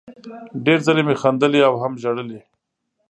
ډېر ځلې مې خندلي او هم ژړلي